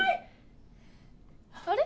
あれ？